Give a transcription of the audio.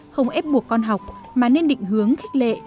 không ép buộc con học mà nên định hướng khích lệ